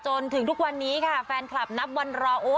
จนถึงทุกวันนี้ค่ะแฟนคลับนับวันรอ